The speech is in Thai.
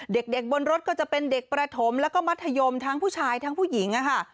เด็กบนรถก็จะเป็นเด็กประถมแล้วก็มัธยมทั้งผู้ชายทั้งผู้หญิงค่ะ